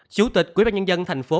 chủ tịch quyên bà nhân dân thành phố